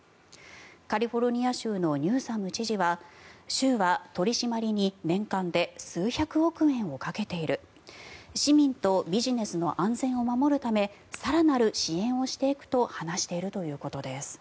カリフォルニア州のニューサム知事は州は取り締まりに年間で数百億円をかけている市民とビジネスの安全を守るため更なる支援をしていくと話しているということです。